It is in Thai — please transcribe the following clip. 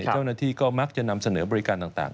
เจ้าหน้าที่ก็มักจะนำเสนอบริการต่าง